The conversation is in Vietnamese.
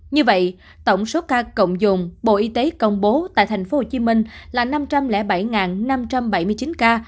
như vậy tổng số ca cộng dụng bộ y tế công bố tại thành phố hồ chí minh là năm trăm linh bảy năm trăm bảy mươi chín ca